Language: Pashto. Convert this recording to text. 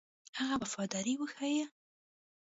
هغه وفاداري وښيي.